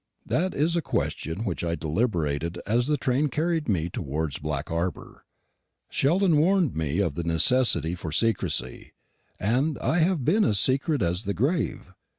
That is a question which I deliberated as the train carried me towards Black Harbour. Sheldon warned me of the necessity for secrecy, and I have been as secret as the grave.